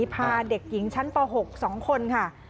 พาเด็กหญิงชั้นป๖๒คนค่ะ